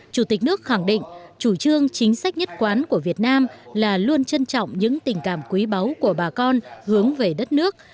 chủ tịch nước khẳng định chủ trương chính sách nhất quán của việt nam là luôn trân trọng những tình cảm quý báu của bà con hướng về đất nước